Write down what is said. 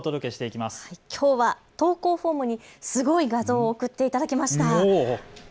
きょうは投稿フォームにすごい画像を送っていただきました。